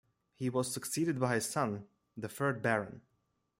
He was succeeded by his son, the third Baron.